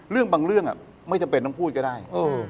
เรื่องบางเรื่องไม่จำเป็นต้องพูดก็ได้